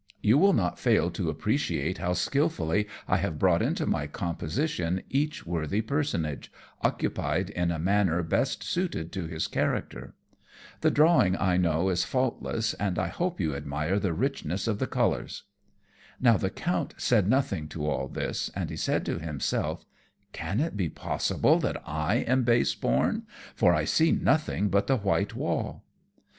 You will not fail to appreciate how skilfully I have brought into my composition each worthy personage, occupied in a manner best suited to his character. The drawing I know is faultless, and I hope you admire the richness of the colours." Now the Count said nothing to all this, and he said to himself, "Can it be possible that I am base born, for I see nothing but the white wall?"